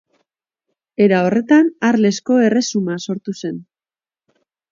Era horretan, Arlesko Erresuma sortu zen.